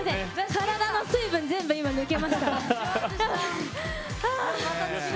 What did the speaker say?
体の水分全部、今、抜けました。